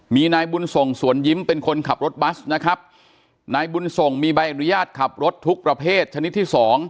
มีนายบุญส่งสวนยิ้มเป็นคนขับรถบัสนะครับนายบุญส่งมีใบอนุญาตขับรถทุกประเภทชนิดที่สอง